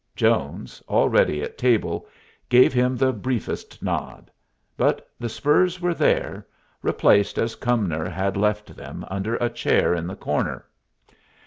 Jones, already at table, gave him the briefest nod; but the spurs were there, replaced as Cumnor had left them under a chair in the corner.